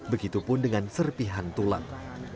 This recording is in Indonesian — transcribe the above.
begitupun dengan serpihan tulang